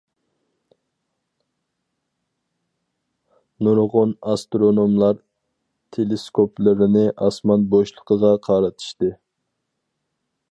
نۇرغۇن ئاسترونوملار تېلېسكوپلىرىنى ئاسمان بوشلۇقىغا قارىتىشتى.